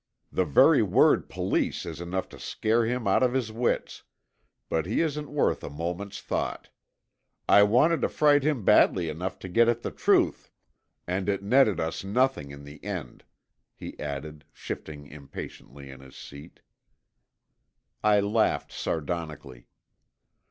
The very word police is enough to scare him out of his wits, but he isn't worth a moment's thought. I wanted to frighten him badly enough to get at the truth and it netted us nothing in the end," he added, shifting impatiently in his seat. I laughed sardonically.